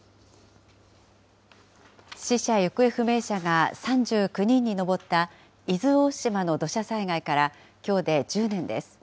死者・行方不明者が３９人に上った伊豆大島の土砂災害からきょうで１０年です。